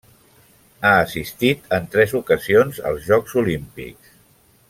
Ha assistit en tres ocasions als Jocs Olímpics.